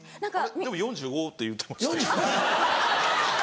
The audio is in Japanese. でも４５っていうてました。